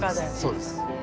そうです。